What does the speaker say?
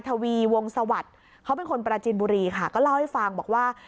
ทวีวงสวัสดิ์เขาเป็นคนปราจินบุรีค่ะก็เล่าให้ฟังบอกว่า